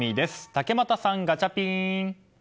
竹俣さん、ガチャピン！